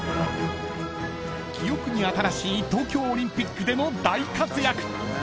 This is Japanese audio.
［記憶に新しい東京オリンピックでの大活躍］